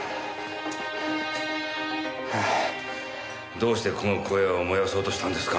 どうしてこの小屋を燃やそうとしたんですか？